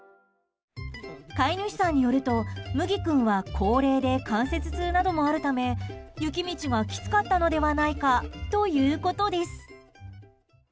飼い主さんによると、むぎ君は高齢で関節痛などもあるため雪道がきつかったのではないかということです。